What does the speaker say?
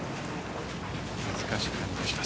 難しく感じました。